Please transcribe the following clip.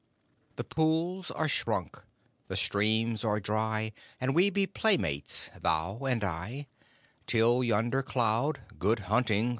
_The pools are shrunk the streams are dry, And we be playmates, thou and I, Till yonder cloud Good Hunting!